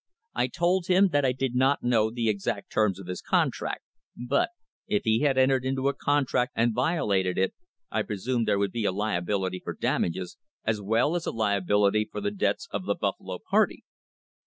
I told him that I did not know the exact terms of his contract, but, if he had entered into a contract and violated it, I presumed there would be a liability for damages, as well as a liability for the debts of the Buffalo party.